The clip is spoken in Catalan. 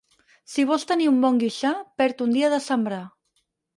Si vols tenir un bon guixar, perd un dia de sembrar.